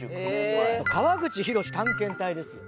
『川口浩探検隊』ですよ。